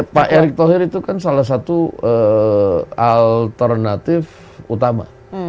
pak erick thohir itu kan salah satu alternatif utama